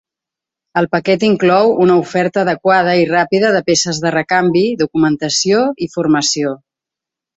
El paquet inclou una oferta adequada i ràpida de peces de recanvi, documentació i formació.